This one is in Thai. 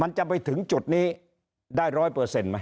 มันจะไปถึงจุดนี้ได้ร้อยเปอร์เซ็นด์ไหม